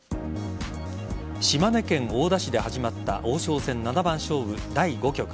島根県大田市で始まった王将戦七番勝負第５局。